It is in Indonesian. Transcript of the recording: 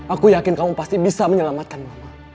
aku yakin kamu pasti bisa menyelamatkan mama